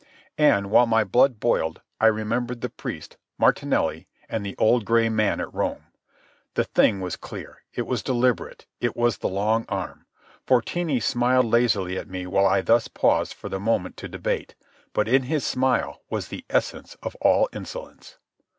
And, while my blood boiled, I remembered the priest, Martinelli, and the gray old man at Rome. The thing was clear. It was deliberate. It was the long arm. Fortini smiled lazily at me while I thus paused for the moment to debate, but in his smile was the essence of all insolence.